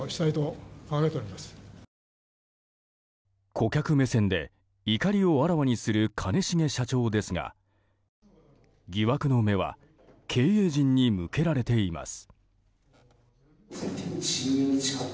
顧客目線で怒りをあらわにする兼重社長ですが疑惑の目は経営陣に向けられています。